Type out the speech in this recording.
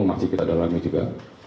masih kita dalami juga